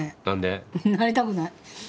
なりたくない。